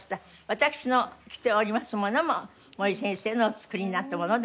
私の着ておりますものも森先生のお作りになったものでございます。